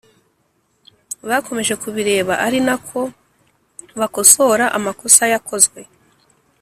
bakomeje kubireba ari nako bakosora amakosa yakozwe